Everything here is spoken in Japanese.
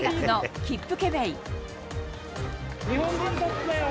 日本人トップだよ。